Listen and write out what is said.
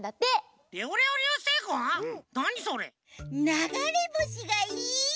ながれぼしがいっぱいよ